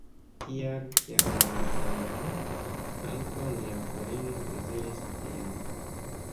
Tial, kiam malgranda, ankaŭ nia filino deziris tion.